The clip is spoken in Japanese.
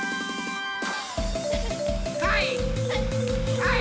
はい！